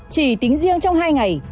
chỉ tính riêng trong hai ngày